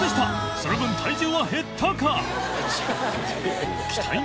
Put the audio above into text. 磴修諒体重は減ったか？